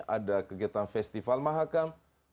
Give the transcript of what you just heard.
ada kegiatan festival mahakam